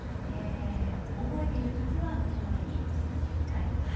覚えている時は寝る前に１日１回。